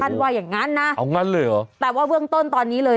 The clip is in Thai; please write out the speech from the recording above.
ว่าอย่างงั้นนะเอางั้นเลยเหรอแต่ว่าเบื้องต้นตอนนี้เลย